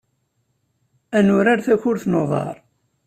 Ad nurar takurt n uḍar.